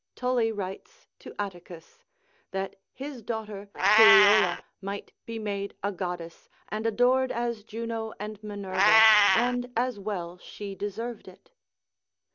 Tully writes to Atticus, that his daughter Tulliola might be made a goddess, and adored as Juno and Minerva, and as well she deserved it.